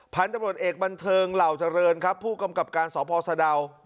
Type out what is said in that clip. พันธุ์ตำรวจเอกบันเทิงเหล่าเจริญครับผู้กำกับการสพสะดาว